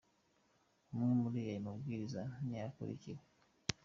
Amwe muri ayo mabwiriza ni aya akurikira:.